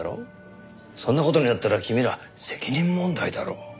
そんな事になったら君ら責任問題だろう。